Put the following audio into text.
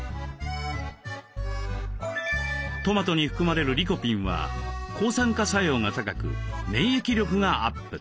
トマトに含まれるリコピンは抗酸化作用が高く免疫力がアップ。